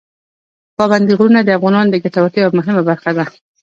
پابندي غرونه د افغانانو د ګټورتیا یوه مهمه برخه ده.